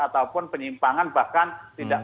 ataupun penyimpangan bahkan tidak bisa dikendalikan